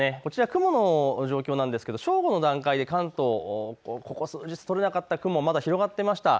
雲の状況なんですが正午の段階で関東、ここ数日、取れなかった雲がまた広がっていました。